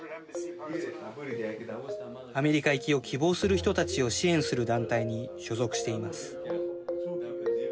アメリカ行きを希望する人たちを支援する団体に所属しています。